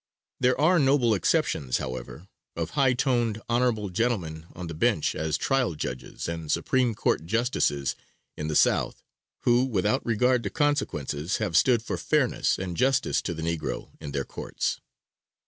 There are noble exceptions, however, of high toned honorable gentlemen on the bench as trial judges, and Supreme Court justices, in the South, who without regard to consequences have stood for fairness and justice to the negro in their courts.